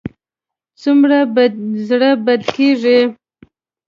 څومره به زړه بدی کېږي.